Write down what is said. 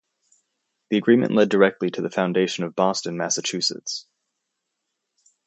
The agreement led directly to the foundation of Boston, Massachusetts.